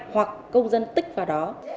hoặc công dân tích vào đó